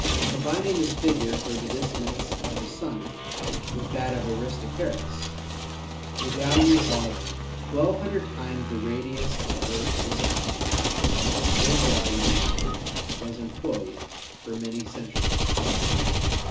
Combining this figure for the distance of the Sun with that of Aristarchus, a value of 1,200 times the radius of the Earth was obtained, which value was em ployed for many centuries.